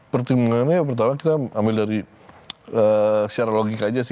pertimbangannya pertama kita ambil dari secara logika aja sih